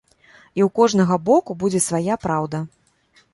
І ў кожнага боку будзе свая праўда.